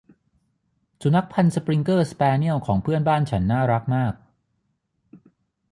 สุนัขพันธุ์สปริงเกอร์ สแปเนียลของเพื่อนบ้านฉันน่ารักมาก